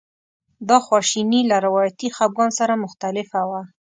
دا خواشیني له روایتي خپګان سره مختلفه وه.